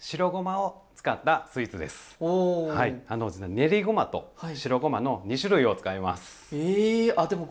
練りごまと白ごまの２種類を使います。